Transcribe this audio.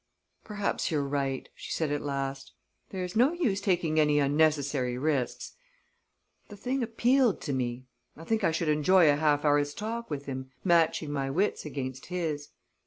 "Perhaps you're right," she said at last; "there's no use taking any unnecessary risks. The thing appealed to me I think I should enjoy a half hour's talk with him, matching my wits against his."